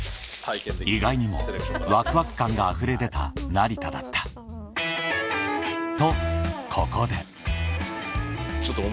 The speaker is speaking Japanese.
意外にもワクワク感があふれ出た成田だったとここでお！